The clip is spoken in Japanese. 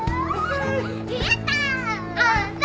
やった。